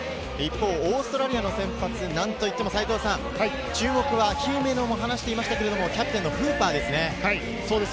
オーストラリアの先発、何といっても注目は、姫野も話してましたけど、キャプテンのフーパーですね。